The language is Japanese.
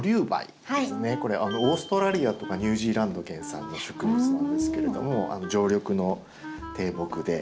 これオーストラリアとかニュージーランド原産の植物なんですけれども常緑の低木で。